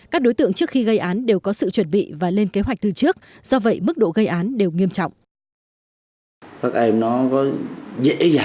các đối tượng trước khi gây án đều có sự chuẩn bị và lên kế hoạch từ trước do vậy mức độ gây án đều nghiêm trọng